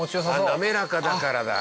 ああ滑らかだからだ。